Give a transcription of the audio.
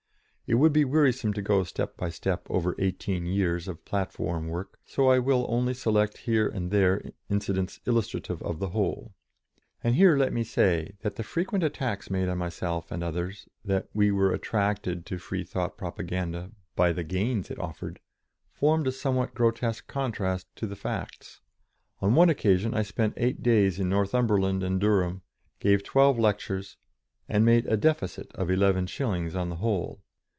It would be wearisome to go step by step over eighteen years of platform work, so I will only select here and there incidents illustrative of the whole. And here let me say that the frequent attacks made on myself and others, that we were attracted to Free thought propaganda by the gains it offered, formed a somewhat grotesque contrast to the facts. On one occasion I spent eight days in Northumberland and Durham, gave twelve lectures, and made a deficit of eleven shillings on the whole.